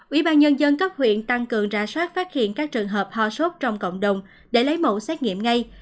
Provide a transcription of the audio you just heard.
ủy ban nhân dân cấp huyện tăng cường ra soát phát hiện các trường hợp ho sốt trong cộng đồng để lấy mẫu xét nghiệm ngay